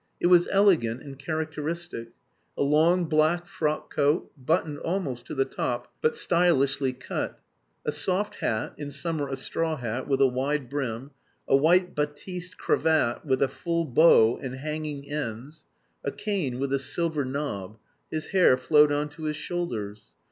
It was elegant and characteristic; a long black frock coat, buttoned almost to the top, but stylishly cut; a soft hat (in summer a straw hat) with a wide brim, a white batiste cravat with a full bow and hanging ends, a cane with a silver knob; his hair flowed on to his shoulders.